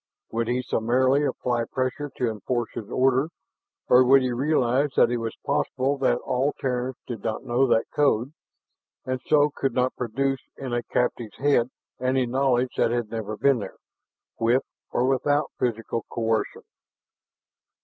Would he summarily apply pressure to enforce his order, or would he realize that it was possible that all Terrans did not know that code, and so he could not produce in a captive's head any knowledge that had never been there with or without physical coercion?